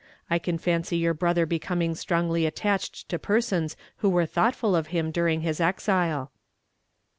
I can fancy your brother becoming strongly attached to persons who were thoughtful of him during his exile."